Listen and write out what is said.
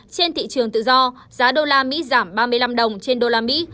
trên thị trường tự do giá đô la mỹ giảm ba mươi năm đồng trên đô la mỹ